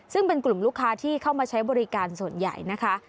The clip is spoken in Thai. ซึ่งเป็นกลุ่มลูกค้าที่เข้ามาใช้บริการส่วนใหญ่นะคะ